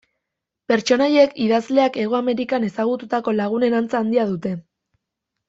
Pertsonaiek idazleak Hego Amerikan ezagututako lagunen antza handia dute.